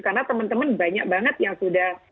karena teman teman banyak banget yang sudah